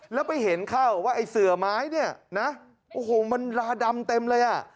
แล้วไปเห็นเข้าว่าไอ้เสือไม้เนี่ยนะโอ้โหมันลาดำเต็มเลยอ่ะ